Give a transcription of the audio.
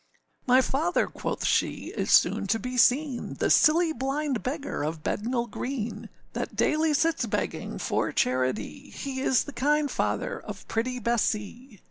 â âMy father,â quoth she, âis soon to be seen: The silly blind beggar of Bednall Green, That daily sits begging for charity, He is the kind father of pretty Bessee.